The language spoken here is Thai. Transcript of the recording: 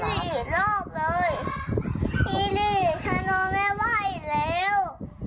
หนูก็ดิดรอบเลยดิดดิฉันโดนแม่ว่าอีกแล้ว